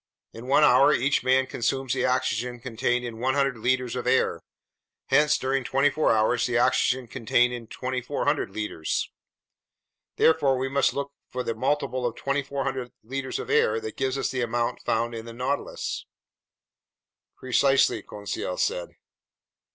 "In one hour each man consumes the oxygen contained in 100 liters of air, hence during twenty four hours the oxygen contained in 2,400 liters. Therefore, we must look for the multiple of 2,400 liters of air that gives us the amount found in the Nautilus." "Precisely," Conseil said.